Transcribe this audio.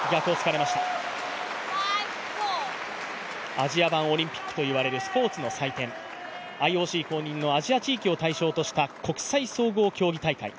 アジア版オリンピックといわれるスポーツの祭典、ＩＯＣ公認のアジア地域を中心とした国際総合体育大会。